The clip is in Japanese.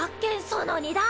その２だ！